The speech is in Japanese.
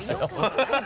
ハハハハ。